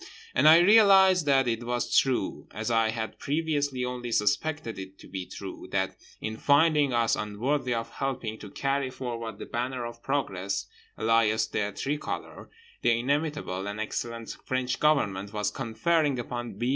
And I realised that it was true—as I had previously only suspected it to be true—that in finding us unworthy of helping to carry forward the banner of progress, alias the tricolour, the inimitable and excellent French government was conferring upon B.